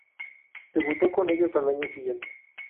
Debutó con ellos al año siguiente.